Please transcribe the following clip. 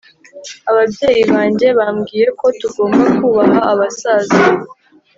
ababyeyi banjye bambwiye ko tugomba kubaha abasaza.